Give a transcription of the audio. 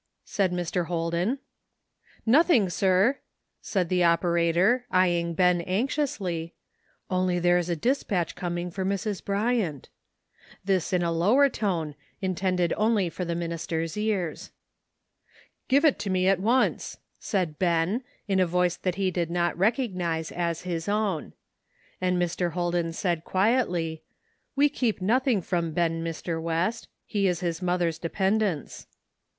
said Mr. Holden. "Nothing, sir," said the operator, eying Ben anxiously, " only there is a dispatch coming for Mrs. Bryant." This in a lower tone, intended only for the minister's ears. "Give it to me at once," said Ben, in a voice that he did not recognize as his own. And Mr. Holden said quietly, "We keep nothing from Ben, Mr. West ; he is his mother's depen dence."